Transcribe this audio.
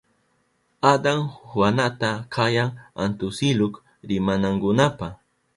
Adan Juanta kayan antsiluk rinankunapa.